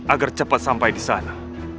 agar cepat sampai disana